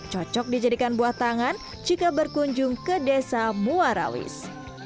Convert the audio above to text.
cocok dijadikan buah tangan jika berkunjung ke desa muarawis